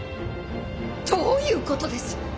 どういうことです。